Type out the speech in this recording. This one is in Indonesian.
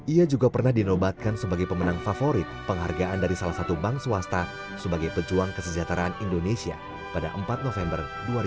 ia juga pernah dinobatkan sebagai pemenang favorit penghargaan dari salah satu bank swasta sebagai pejuang kesejahteraan indonesia pada empat november dua ribu dua puluh